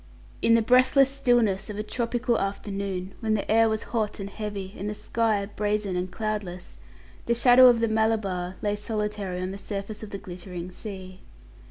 In the breathless stillness of a tropical afternoon, when the air was hot and heavy, and the sky brazen and cloudless, the shadow of the Malabar lay solitary on the surface of the glittering sea.